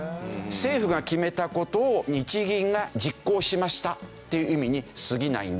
「政府が決めた事を日銀が実行しました」っていう意味にすぎないんだ。